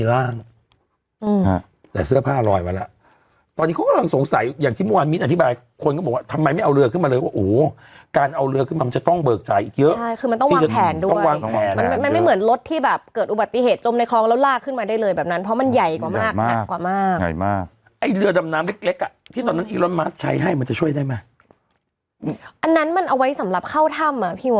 ค่ะค่ะค่ะค่ะค่ะค่ะค่ะค่ะค่ะค่ะค่ะค่ะค่ะค่ะค่ะค่ะค่ะค่ะค่ะค่ะค่ะค่ะค่ะค่ะค่ะค่ะค่ะค่ะค่ะค่ะค่ะค่ะค่ะค่ะค่ะค่ะค่ะ